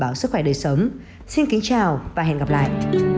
bảo sức khỏe đời sống xin kính chào và hẹn gặp lại